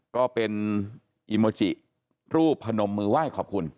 ก็เป็นอีโมจิรูปพนมมือไหว้ขอบคุณ